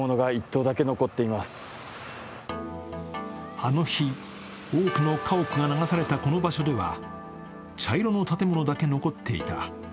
あの日、多くの家屋が流されたこの場所では、茶色の建物だけ残っていた。